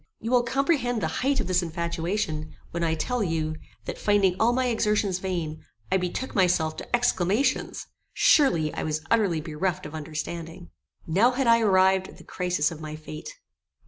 You will comprehend the height of this infatuation, when I tell you, that, finding all my exertions vain, I betook myself to exclamations. Surely I was utterly bereft of understanding. Now had I arrived at the crisis of my fate.